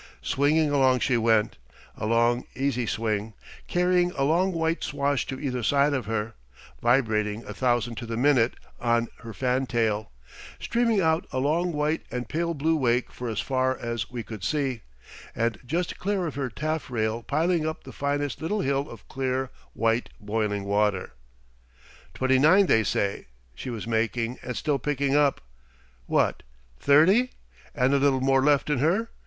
Swinging along she went, a long, easy swing, carrying a long white swash to either side of her, vibrating a thousand to the minute on her fantail, streaming out a long white and pale blue wake for as far as we could see, and just clear of her taffrail piling up the finest little hill of clear white boiling water. Twenty nine, they say, she was making, and still picking up. What! Thirty? And a little more left in her?